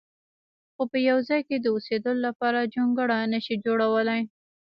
خو په یو ځای د اوسېدلو لپاره جونګړه نه شي جوړولی.